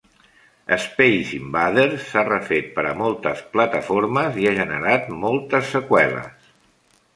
"Space Invaders" s'ha refet per a moltes plataformes i ha generat moltes seqüeles.